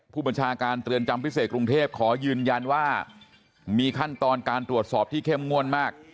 ผู้บัญชาการเรือนจำพิเศษกรุงเทพขอยืนยันว่ามีขั้นตอนการตรวจสอบที่เข้มงวดมาก